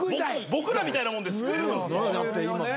僕らみたいなもんで救えるんすか？